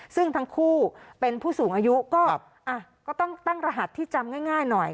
ซึ่งทั้งคู่เป็นผู้สูงอายุก็ต้องตั้งรหัสที่จำง่ายหน่อย